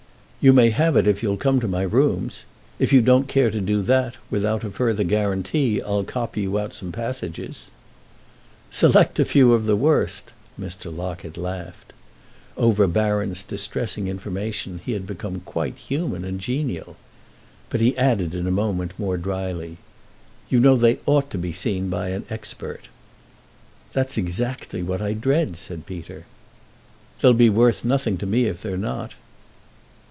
"You may have it if you'll come to my rooms. If you don't care to do that without a further guarantee I'll copy you out some passages." "Select a few of the worst!" Mr. Locket laughed. Over Baron's distressing information he had become quite human and genial. But he added in a moment more dryly: "You know they ought to be seen by an expert." "That's exactly what I dread," said Peter. "They'll be worth nothing to me if they're not."